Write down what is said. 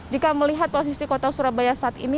jika melihat posisi kota surabaya saat ini